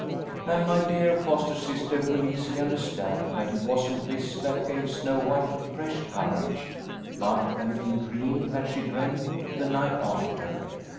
" And my dear foster sister will easily under stand that it wasn't this that gave Snow White fresh courage, but a little dream that she dreamt the night after.